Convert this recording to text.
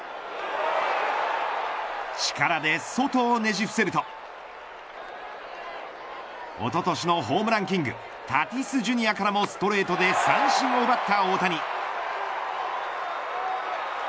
力でソトをねじ伏せるとおととしのホームランキングタティスジュニアからもストレートで三振を奪った大谷。